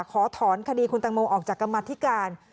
ขอถอนคดีคุณตังโมออกจากกรรมธิการ